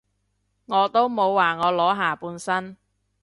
我都冇話我裸下半身